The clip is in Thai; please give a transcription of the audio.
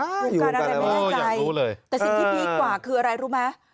นะครับมีข้อใจแต่สิ่งที่ดีกว่าคืออะไรรู้มะ